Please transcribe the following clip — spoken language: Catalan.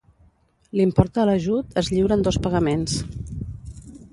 L'import de l'ajut es lliura en dos pagaments.